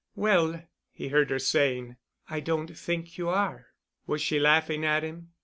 "Well," he heard her saying, "I don't think you are." Was she laughing at him?